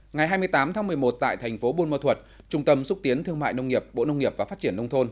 ngày hai mươi tám tháng một mươi một tại thành phố buôn mơ thuật trung tâm xúc tiến thương mại nông nghiệp bộ nông nghiệp và phát triển nông thôn